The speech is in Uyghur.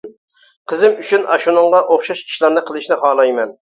قىزىم ئۈچۈن ئاشۇنىڭغا ئوخشاش ئىشلارنى قىلىشنى خالايمەن.